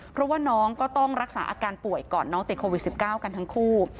เพราะว่าน้องก็ต้องรักษาอาการป่วยก่อนน้องติดโควิด๑๙กันทั้งคู่